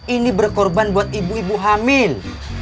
ini berkorban buat ibu ibu hamil